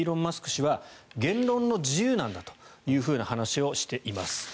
氏は言論の自由なんだという話をしています。